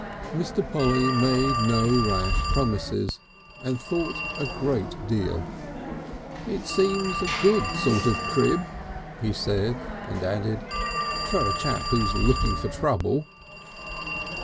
VI Mr. Polly made no rash promises, and thought a great deal. "It seems a good sort of Crib," he said, and added, "for a chap who's looking for trouble."